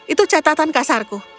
itu catatan kasarku